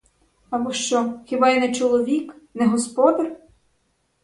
Або що, хіба я не чоловік, не господар?